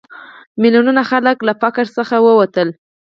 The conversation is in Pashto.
میلیونونه خلک له فقر څخه ووتل.